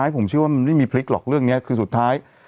ผมเชื่อว่ามันไม่มีพลิกหรอกเรื่องนี้คือสุดท้าย